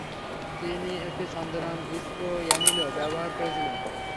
তিনি একটি ছদ্মনাম ইসকো অ্যানিনো ব্যবহার করেছিলেন।